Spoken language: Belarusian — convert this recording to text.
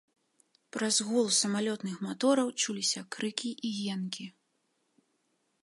Праз гул самалётных матораў чуліся крыкі і енкі.